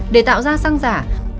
để tạo ra xăng giả